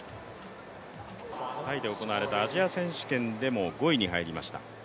タイで行われたアジア選手権でも５位に入りました。